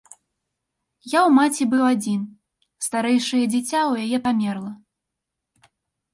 Я ў маці быў адзін, старэйшае дзіця ў яе памерла.